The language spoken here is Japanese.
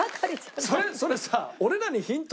それそれさ。